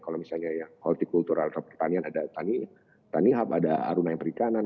kalau misalnya ya multicultural pertanian ada tanihap ada arunai perikanan